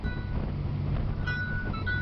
د شتمنۍ عادلانه وېش د پرمختګ بنسټيز شرط دی.